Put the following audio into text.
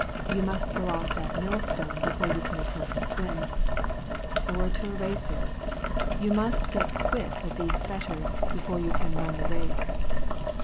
You must throw off that millstone before you can attempt to swim ; or to a racer. You must get quit of these fetters before you can run the race.